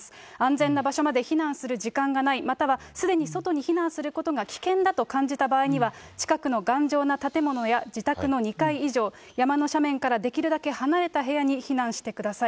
安全な場所まで避難する時間がない、またはすでに外に避難することが危険だと感じた場合には、近くの頑丈な建物や自宅の２階以上、山の斜面からできるだけ離れた部屋に避難してください。